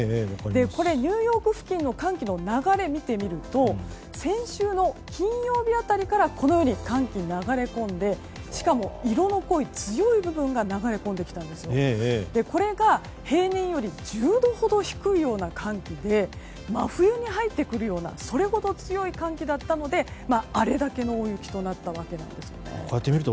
これ、ニューヨーク付近の寒気の流れ見てみますと先週の金曜日辺りからこのように寒気が流れ込んでしかも、色の濃い強い部分が流れ込んできてこれが平年より１０度ほど低いような寒気で真冬に入ってくるようなそれほど強い寒気だったのであれだけの大雪となったわけなんです。